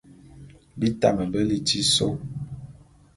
Bi tame be liti sô.